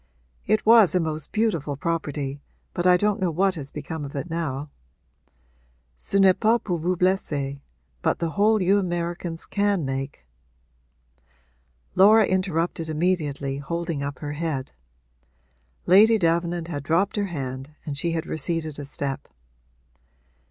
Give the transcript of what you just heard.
'It was a most beautiful property, but I don't know what has become of it now. Ce n'est pas pour vous blesser, but the hole you Americans can make ' Laura interrupted immediately, holding up her head; Lady Davenant had dropped her hand and she had receded a step.